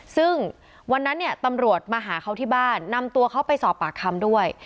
ซึ่งวันนั้นเนี่ยตำรวจมาหาเขาที่บ้านนำตัวเขาไปสอบปากคำด้วย